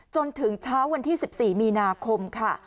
จนถึงเช้าวันที่๑๔มีนาคมค่ะ